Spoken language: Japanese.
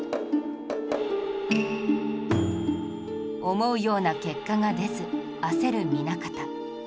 思うような結果が出ず焦る南方